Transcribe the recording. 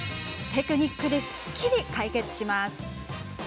テクニックですっきり解決します。